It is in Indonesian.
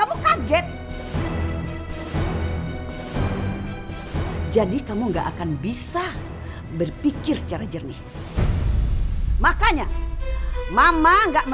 aduh gimana nih tiara aku takut